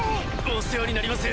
お世話になります。